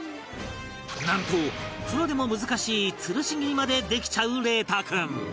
なんとプロでも難しい吊るし切りまでできちゃう伶汰君